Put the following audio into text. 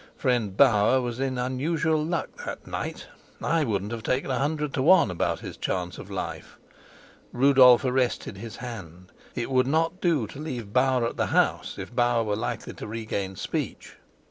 Friend Bauer was in unusual luck that night; I wouldn't have taken a hundred to one about his chance of life. Rupert arrested his hand. It would not do to leave Bauer at the house, if Bauer were likely to regain speech.